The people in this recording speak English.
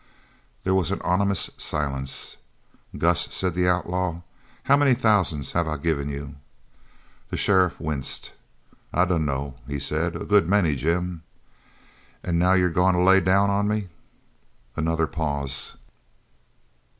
There was an ominous silence. "Gus," said the outlaw, "how many thousand have I given you?" The sheriff winced. "I dunno," he said, "a good many, Jim." "An' now you're goin' to lay down on me?" Another pause.